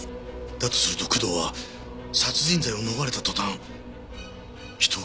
だとすると工藤は殺人罪を逃れた途端人を殺した事になる。